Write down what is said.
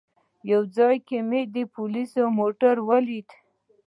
یو ځای کې مې د پولیسو موټر ولید.